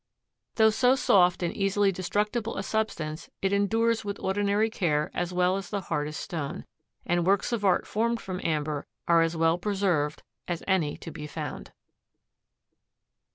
Though so soft and easily destructible a substance it endures with ordinary care as well as the hardest stone, and works of art formed from amber are as well preserved as any to be found.